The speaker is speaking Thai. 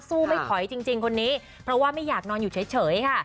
ไม่ถอยจริงคนนี้เพราะว่าไม่อยากนอนอยู่เฉยค่ะ